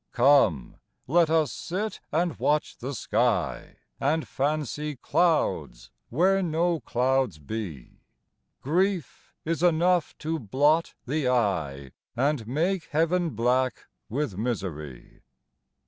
Come let us sit and watch the sky, And fancy clouds, where no clouds be; Grief is enough to blot the eye, And make heaven black with misery.